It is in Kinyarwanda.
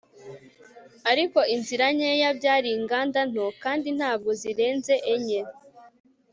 ariko inzira nkeya. byari inganda nto, kandi ntabwo zirenze enye